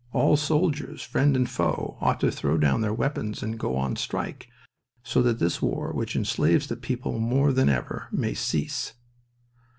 All soldiers friend and foe ought to throw down their weapons and go on strike, so that this war, which enslaves the people more than ever, may cease."